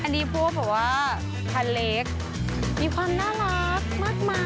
อันนี้พวกแบบว่าคันเล็กมีความน่ารักมากมาย